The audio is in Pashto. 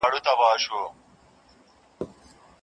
د مورنۍ ژبي زده کړه، له ریښو څخه زده کیږي.